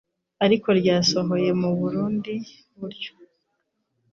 Ariko ryasohoye mu bundi buryo.